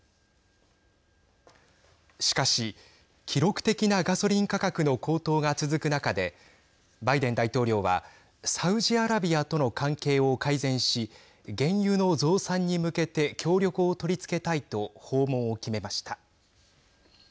しかし記録的なガソリン価格の高騰が続く中でバイデン大統領はサウジアラビアとの関係を改善し原油の増産に向けて協力を取り付けたいと訪問を決めました。